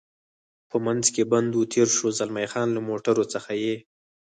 په منځ کې بند و، تېر شو، زلمی خان: له موټرو څخه یې.